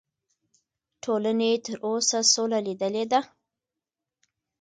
ټولنې تر اوسه سوله لیدلې ده.